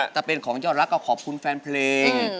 แต่เป็นของเจ้ารักก็ขอบคุณแฟนเพลง